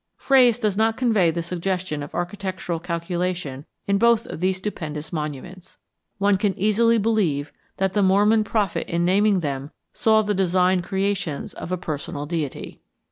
Phrase does not convey the suggestion of architectural calculation in both of these stupendous monuments. One can easily believe that the Mormon prophet in naming them saw them the designed creations of a personal deity.